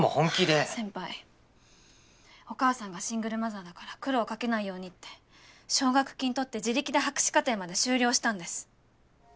先輩お母さんがシングルマザーだから苦労かけないようにって奨学金取って自力で博士課程まで修了したんです。